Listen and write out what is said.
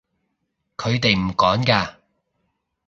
佢哋唔趕㗎